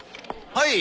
はい。